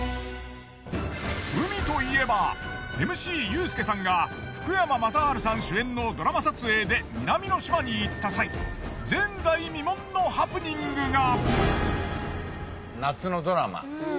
海といえばＭＣユースケさんが福山雅治さん主演のドラマ撮影で南の島に行った際前代未聞のハプニングが！